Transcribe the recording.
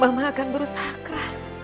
mama akan berusaha keras